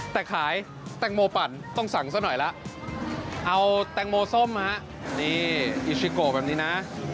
แต่ขายแตงโมปั่นต้องสั่งซะหน่อยละเอาแตงโมส้มฮะนี่อิชิโกแบบนี้นะ